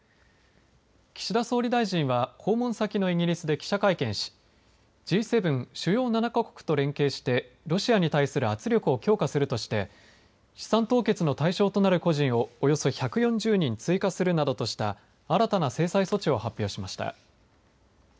岸田総理大臣は、訪問先のイギリスで記者会見し、Ｇ７・主要７か国と連携して、ロシアに対する圧力を強化するとして、資産凍結の対象となる個人をおよそ１４０人追加するなどとした、新たな制裁措置を発表しました。